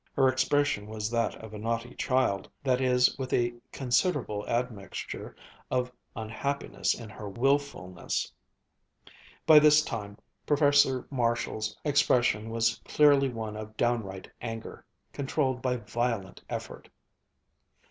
Her expression was that of a naughty child that is, with a considerable admixture of unhappiness in her wilfulness. By this time Professor Marshall's expression was clearly one of downright anger, controlled by violent effort. Mrs.